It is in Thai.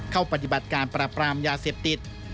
ปฏิบัติการปราบรามยาเสพติด